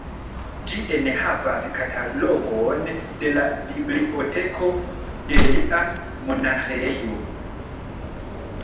Ĝi enhavas katalogon de la biblioteko de lia monaĥejo.